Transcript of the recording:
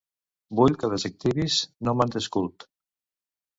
Vull que desactivis NomadSculpt.